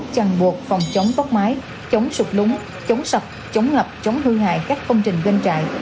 chẳng buộc phòng chống tóc mái chống sụp lúng chống sập chống ngập chống hư hại các công trình bên trại